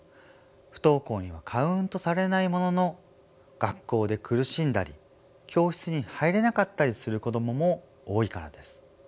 不登校にはカウントされないものの学校で苦しんだり教室に入れなかったりする子どもも多いからです。